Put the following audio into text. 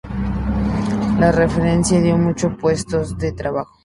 La refinería dio muchos puestos de trabajo.